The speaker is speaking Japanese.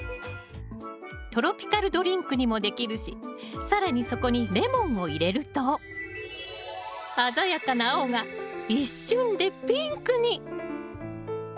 トロピカルドリンクにもできるし更にそこにレモンを入れると鮮やかな青が一瞬でピンクに！